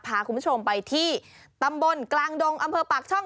พาคุณผู้ชมไปที่ตำบลกลางดงอำเภอปากช่อง